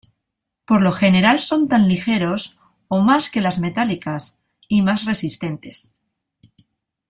Por lo general son tan ligeros o más que las metálicas, y más resistentes.